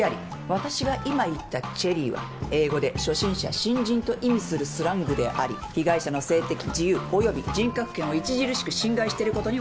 私が今言ったチェリーは英語で初心者新人と意味するスラングであり被害者の性的自由および人格権を著しく侵害していることには当たらない。